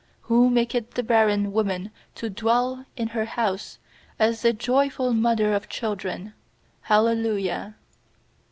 Who maketh the barren woman to dwell in her house As a joyful mother of children. Hallelujah.